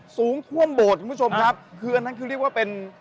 สูงท่วมโบสถ์คุณผู้ชมครับคืออันนั้นคือเรียกว่าเป็น